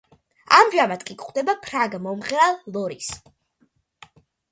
ამჟამად კი ხვდება ფრანგ მომღერალ ლორის.